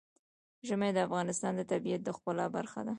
ژمی د افغانستان د طبیعت د ښکلا برخه ده.